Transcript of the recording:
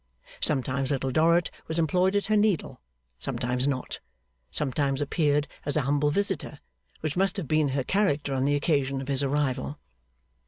Sometimes Little Dorrit was employed at her needle, sometimes not, sometimes appeared as a humble visitor: which must have been her character on the occasion of his arrival.